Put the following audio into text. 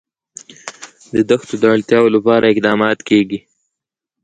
د دښتو د اړتیاوو لپاره اقدامات کېږي.